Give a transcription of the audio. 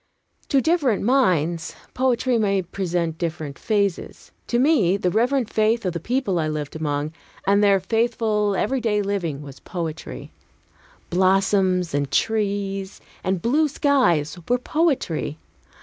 To different minds, poetry may present different phases. To me, the reverent faith of the people I lived among, and their faithful everyday living, was poetry; blossoms and trees and blue skies were poetry.